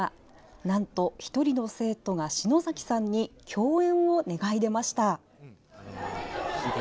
なんと、１人の生徒が篠崎さんに協演を願い出ました。